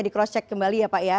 di cross check kembali ya pak ya